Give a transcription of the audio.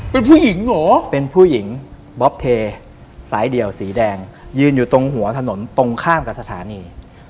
เป็นผู้หญิงเหรอเป็นผู้หญิงบ๊อบเทสายเดี่ยวสีแดงยืนอยู่ตรงหัวถนนตรงข้ามกับสถานี